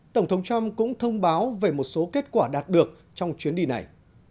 tổng thống trump cũng thông báo về một số kết quả đạt được trong chuyến đi này